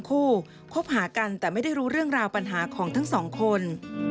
อื้อเขาก็เสียเขาก็เสีย